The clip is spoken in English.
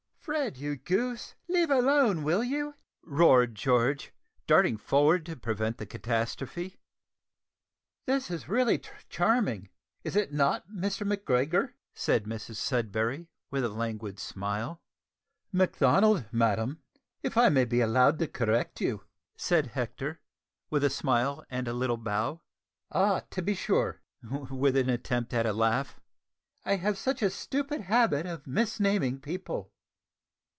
"Fred, you goose, leave alone, will you?" roared George, darting forward to prevent the catastrophe. "This is really charming, is it not, Mr Macgregor?" said Mrs Sudberry, with a languid smile. "Macdonald, madam, if I may be allowed to correct you," said Hector, with a smile and a little bow. "Ah, to be sure!" (with an attempt at a laugh.) "I have such a stupid habit of misnaming people."